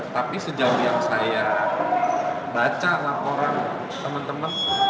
tapi sejauh yang saya baca laporan teman teman